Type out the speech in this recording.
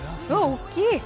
大きい！